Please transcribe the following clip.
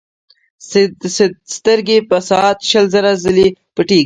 سترګې په ساعت شل زره ځلې پټېږي.